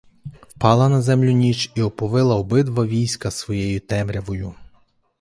Впала на землю ніч і оповила обидва війська своєю темрявою.